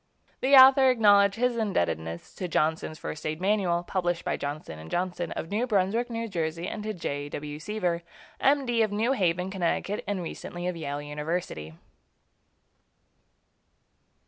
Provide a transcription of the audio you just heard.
The author acknowledges his indebtedness to Johnson's First Aid Manual, published by Johnson & Johnson of New Brunswick, N. J., and to Jay W. Seaver, M. D., of New Haven, Conn., and recently of Yale University.